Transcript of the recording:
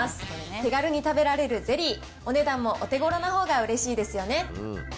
気軽に食べられるゼリー、お値段もお手ごろなほうがうれしいですよね。